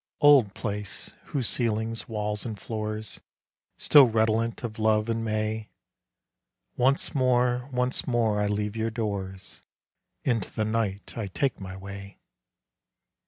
Old place, whose ceilings, walls and floors Still redolent of love and May; Once more, once more I leave your doors, Into the night I take my way.